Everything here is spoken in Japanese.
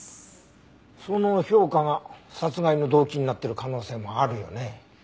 その評価が殺害の動機になってる可能性もあるよね。